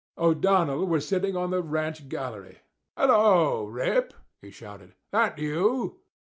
O'Donnell was sitting on the ranch gallery. "Hello, Rip!" he shouted—"that you?"